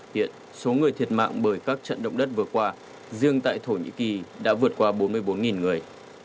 hiện số người thiệt mạng bởi các trận động đất vừa qua riêng tại thổ nhĩ kỳ đã vượt qua bốn mươi bốn người